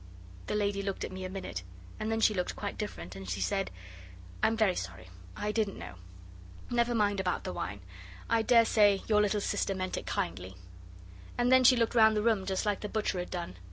The lady looked at me a minute, and then she looked quite different, and she said, 'I'm very sorry. I didn't know. Never mind about the wine. I daresay your little sister meant it kindly.' And she looked round the room just like the butcher had done.